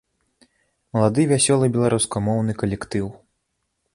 Малады вясёлы беларускамоўны калектыў.